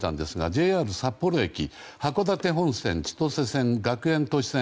ＪＲ札幌駅、函館本線、千歳線学園都市線。